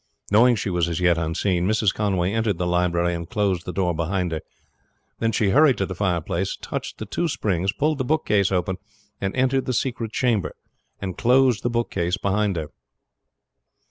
Knowing she was as yet unseen, Mrs. Conway entered the library and closed the door behind her. Then she hurried to the fireplace, touched the two springs, pulled the bookcase open and entered the secret chamber, and closed the bookcase behind her.